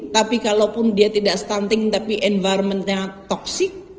tapi kalau pun dia tidak stunting tapi environmentnya toxic